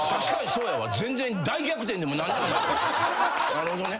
なるほどね。